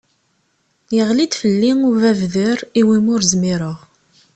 Yeɣli-d fell-i ubabder i wumi ur zmireɣ.